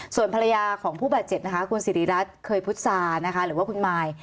ส่วนภรรยาของผู้บาดเจ็บนะคะคุณสิริรัตนเคยพุทธศานะคะหรือว่าคุณมาย